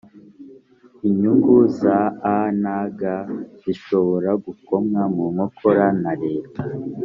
inyungu za a.n.g zishobora gukomwa munkokora na leta